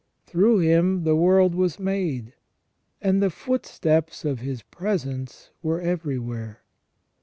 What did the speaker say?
Through Him the world was made, and the foosteps of His presence were everywhere.